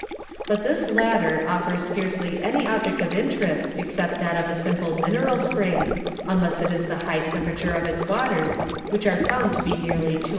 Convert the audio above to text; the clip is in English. But this latter offers scarcely any object of interest except that of a simple mineral spring, unless it is the high tem¬ perature of its waters, which are found to be nearly 212 °.